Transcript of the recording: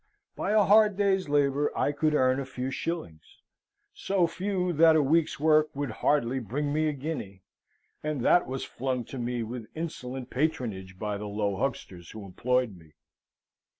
By a hard day's labour I could earn a few shillings; so few that a week's work would hardly bring me a guinea: and that was flung to me with insolent patronage by the low hucksters who employed me.